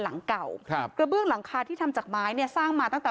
หลังเก่าครับกระเบื้องหลังคาที่ทำจากไม้เนี่ยสร้างมาตั้งแต่